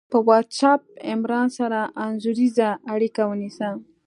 په وټس آپ عمران سره انځوریزه اړیکه ونیسه